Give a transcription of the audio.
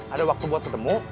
ada waktu buat ketemu